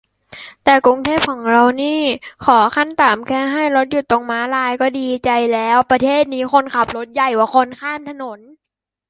แต่กรุงเทพของเรานี่ขอขั้นต่ำแค่ให้รถหยุดตรงม้าลายก็ดีใจแล้ว - ประเทศนี้คนขับรถใหญ่กว่าคนข้ามถนน